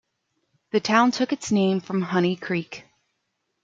The town took its name from Honey Creek.